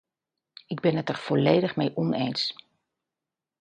Ik ben het er volledig mee oneens.